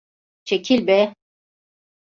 Çekil be!